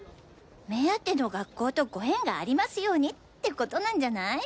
目当ての学校とご縁がありますようにってことなんじゃない？